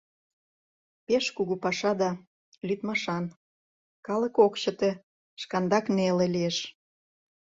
Пеш кугу паша да... лӱдмашан... калык ок чыте, шкандак неле лиеш...